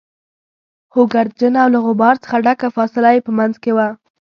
خو ګردجنه او له غبار څخه ډکه فاصله يې په منځ کې وه.